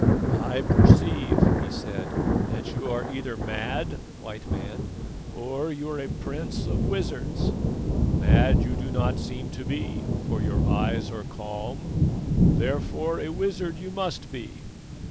"I perceive," he said, "that you are either mad, White Man, or you are a prince of wizards. Mad you do not seem to be, for your eyes are calm, therefore a wizard you must be.